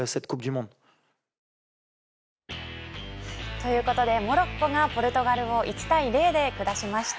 ということでモロッコがポルトガルを１対０で下しました。